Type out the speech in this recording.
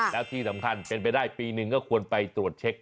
แล้วที่สำคัญเป็นไปได้ปีหนึ่งก็ควรไปตรวจเช็ค